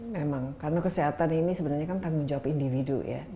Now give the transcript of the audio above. memang karena kesehatan ini sebenarnya kan tanggung jawab individu ya